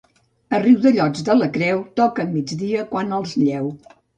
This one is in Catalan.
A Riudellots de la Creu toquen migdia quan els lleu.